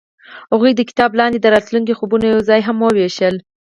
هغوی د کتاب لاندې د راتلونکي خوبونه یوځای هم وویشل.